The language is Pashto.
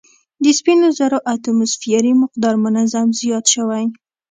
د سپینو زرو اتوموسفیري مقدار منظم زیات شوی